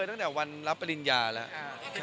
ตั้งแต่วันรับปริญญาแล้ว